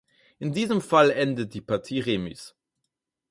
In diesem Fall endet die Partie remis.